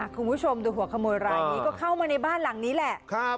คุณผู้ชมดูหัวขโมยรายนี้ก็เข้ามาในบ้านหลังนี้แหละ